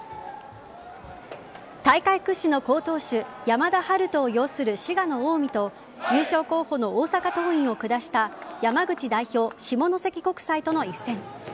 大会屈指の好投手山田陽翔を擁する滋賀の近江と優勝候補の大阪桐蔭を下した山口代表・下関国際との一戦。